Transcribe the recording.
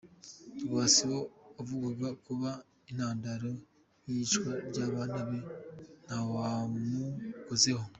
Rwasibo wavugwaga kuba intandaro y’iyicwa ry’abana be, ntawamukozeho.